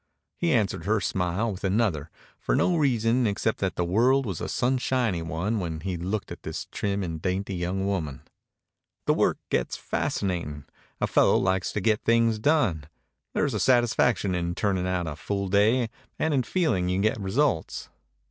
He answered her smile with another for no reason except that the world was a sunshiny one when he looked at this trim and dainty young woman. "The work gets fascinating. A fellow likes to get things done. There's a satisfaction in turning out a full day and in feeling you get results."